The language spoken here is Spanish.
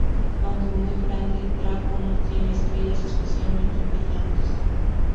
Aunque muy grande, Draco no tiene estrellas especialmente brillantes.